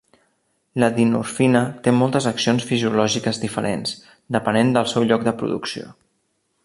La dinorfina té moltes accions fisiològiques diferents, depenent del seu lloc de producció.